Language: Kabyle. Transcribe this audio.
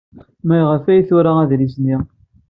Maɣef ay d-tura adlis-nni?